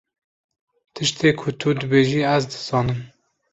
Tiştê ku tu dibêjî ez dizanim.